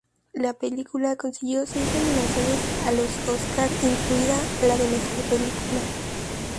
La película consiguió seis nominaciones a los Óscar, incluida la de mejor película.